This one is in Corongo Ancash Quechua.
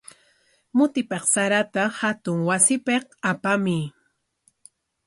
Mutipaq sarata hatun wasipik apamuy.